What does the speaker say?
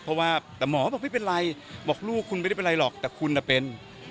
เพราะว่าแต่หมอบอกไม่เป็นไรบอกลูกคุณไม่ได้เป็นไรหรอกแต่คุณเป็น